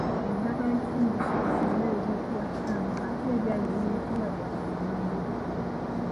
Endagala ezifumbisiddwa ku mmere ziyitibwa ssaaniiko, ate ebyayi ne biyitibwa Ebisembo.